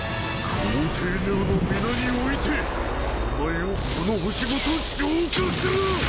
皇帝ネロの御名においてお前をこの星ごと浄化する！